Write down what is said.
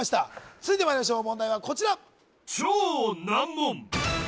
続いてまいりましょう問題はこちら